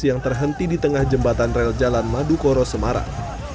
yang terhenti di tengah jembatan rel jalan madukoro semarang